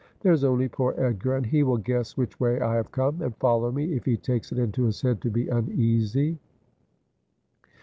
There is only poor Edgar, and he will guess which way I have come, and follow me if he takes it into his head to be uneasy.'